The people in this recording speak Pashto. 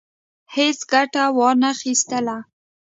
هیڅ ګټه وانه خیستله.